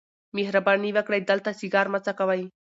مهرباني وکړئ دلته سیګار مه څکوئ.